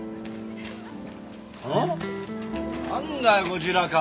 なんだよゴジラ河。